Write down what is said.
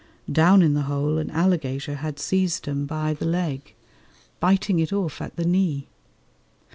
Down in the hole an alligator had seized him by the leg, biting it off at the knee.